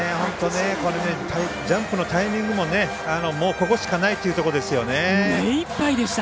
ジャンプのタイミングもここしかないというところですよね。